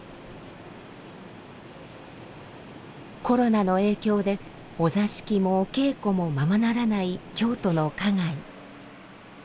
コロナの影響でお座敷もお稽古もままならない京都の花街。